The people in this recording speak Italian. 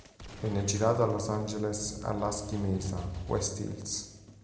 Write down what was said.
Venne girato a Los Angeles a Lasky Mesa, West Hills.